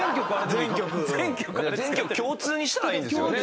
全局共通にしたらいいんですよね。